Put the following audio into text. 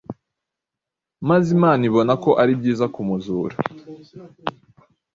maze Imana ibona ko ari byiza kumuzura